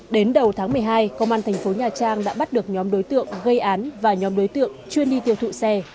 đến đầu tháng một mươi hai công an thành phố nhà trang đã bắt được nhóm đối tượng gây án và nhóm đối tượng chuyên đi tiêu thụ xe